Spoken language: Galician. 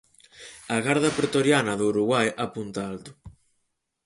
A garda pretoriana do Uruguai apunta alto.